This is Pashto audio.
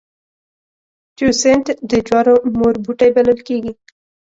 تیوسینټ د جوارو مور بوټی بلل کېږي